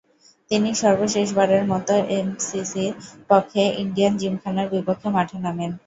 তিনি সর্বশেষবারের মতো এমসিসির পক্ষে ইন্ডিয়ান জিমখানার বিপক্ষে মাঠে নামেন।